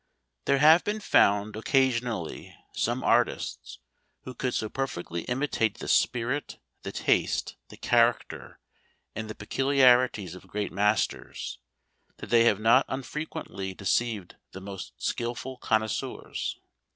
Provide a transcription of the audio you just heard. There have been found occasionally some artists who could so perfectly imitate the spirit, the taste, the character, and the peculiarities of great masters, that they have not unfrequently deceived the most skilful connoisseurs.